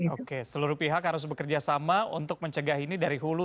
oke seluruh pihak harus bekerja sama untuk mencegah ini dari hulu